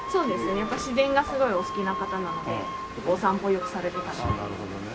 やっぱり自然がすごいお好きな方なのでお散歩よくされてたみたいです。